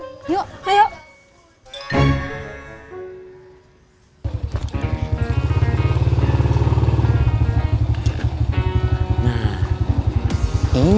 sebentar lagi suami ambo udah habis pulang